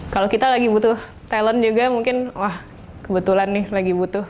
kalau kita lagi butuh talent juga mungkin wah kebetulan nih lagi butuh